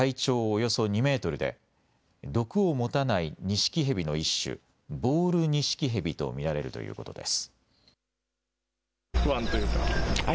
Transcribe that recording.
およそ２メートルで、毒を持たないニシキヘビの一種、ボールニシキヘビと見られるということです。